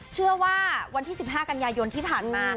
เชื่อว่าวันที่๑๕กันยายนที่ผ่านมา